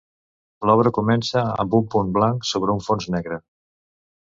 L'obra comença amb un punt blanc sobre un fons negre.